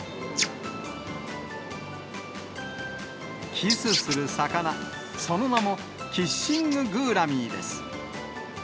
キスする魚、その名もキッシンググーラミィです。